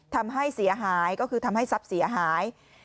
ทำให้เสียหายก็คือทำให้ทรัพย์เสียหาย